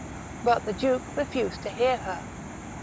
But the duke refused to hear her.